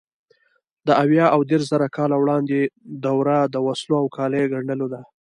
د اویا او دېرشزره کاله وړاندې دوره د وسلو او کالیو ګنډلو ده.